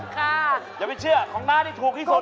อย่าไปเชื่อของน้าที่ถูกที่สุด